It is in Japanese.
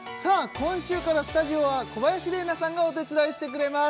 今週からスタジオは小林麗菜さんがお手伝いしてくれます